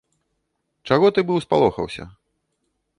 Чаго ты быў спалохаўся?